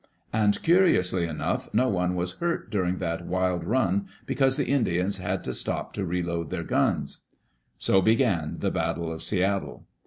And, curi ously enough, no one was hurt during that wild run be cause the Indians had to stop to reload their guns. So began the battle of Seattle.